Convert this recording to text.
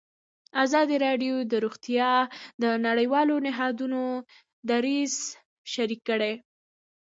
ازادي راډیو د روغتیا د نړیوالو نهادونو دریځ شریک کړی.